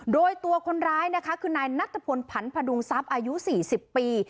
โดยตัวคนร้ายนะคะคือนายนัทพลผันพดุงทรัพย์อายุ๔๐ปี